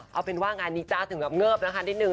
เอาเป็นว่างานนี้จ๊ะถึงกับเงิบนะคะนิดนึ